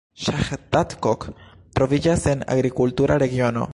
Ŝahdadkot troviĝas en agrikultura regiono.